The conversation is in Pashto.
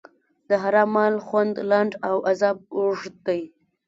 د حرام مال خوند لنډ او عذاب اوږد دی.